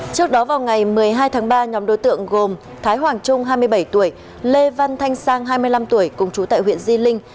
trước đó vào ngày một mươi hai tháng ba nhóm đối tượng gồm thái hoàng trung hai mươi bảy tuổi lê văn thanh sang hai mươi năm tuổi cùng chú tại huyện di linh